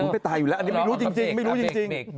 ผมเลยจะตายอยู่แล้วอย่างนี้ไม่รู้อย่างจริง